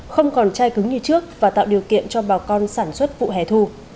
không còn trai cứng như trước và tạo điều kiện cho bà con sản xuất vụ hẻ thu